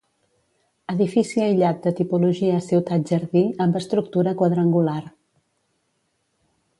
Edifici aïllat de tipologia ciutat-jardí amb estructura quadrangular.